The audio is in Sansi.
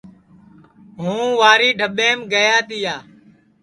ہُوں واری ڈبھینٚم گیا تِیا